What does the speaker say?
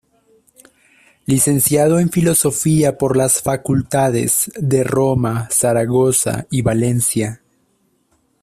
Licenciado en Filosofía por las Facultades de Roma, Zaragoza y Valencia.